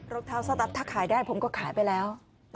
เท้าสตั๊ดถ้าขายได้ผมก็ขายไปแล้ว